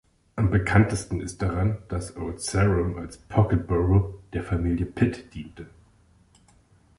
Am bekanntesten ist daran, dass Old Sarum als Pocket Borough der Familie Pitt diente.